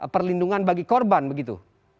perlindungan bagi korban begitu